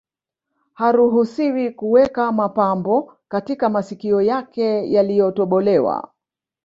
Haruhusiwi kuweka mapambo katika masikio yake yaliyotobolewa